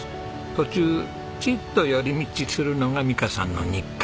途中ちっと寄り道するのが美香さんの日課。